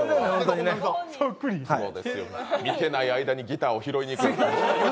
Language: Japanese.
見てない間にギターを拾いにいく。